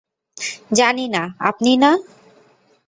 জানি না আপনি না!